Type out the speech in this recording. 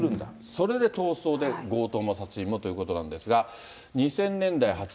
それで逃走で、強盗も殺人もということなんですが、２０００年代初。